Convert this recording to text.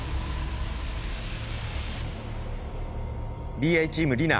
Ｂｉチーム梨菜。